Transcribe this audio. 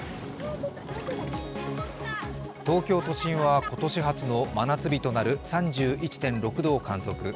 東京都心は今年初の真夏日となる３１．６度を観測。